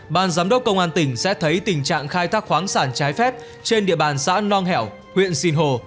ban giám đốc công an tỉnh sẽ thấy tình trạng khai thác khoáng sản trái phép trên địa bàn xã nong hẻo huyện sinh hồ